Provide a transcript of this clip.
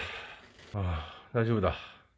ああ、大丈夫だ。